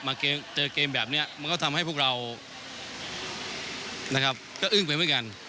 มาเจอเกมแบบนี้มันก็ทำให้พวกเรานะครับก็อึ้งไปเหมือนกัน